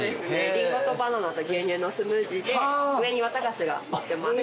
リンゴとバナナと牛乳のスムージーで上に綿菓子がのってます。